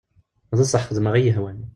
D sseḥ xedmeɣ iyi-ihwan.